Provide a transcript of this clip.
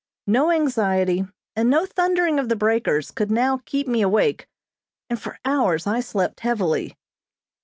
No anxiety, and no thundering of the breakers could now keep me awake, and for hours I slept heavily.